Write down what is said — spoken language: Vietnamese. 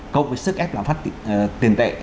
cộng với sức ép lạm phát tiền tệ